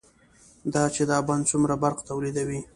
دا چې دا بند څومره برق تولیدوي،